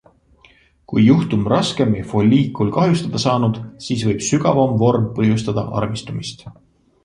Kui juhtum raskem ja folliikul kahjustada saanud, siis võib sügavam vorm põhjustada armistumist.